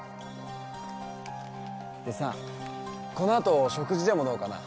でさこの後食事でもどうかな？